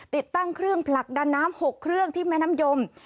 ติดตั้งเครื่องผลักดันน้ำ๖เครื่องที่แม่น้ำยม